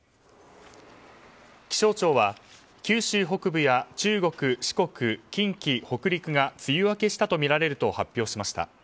気象庁は九州北部や中国・四国近畿、北陸が梅雨明けしたとみられると発表しました。